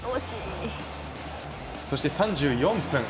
そして３４分。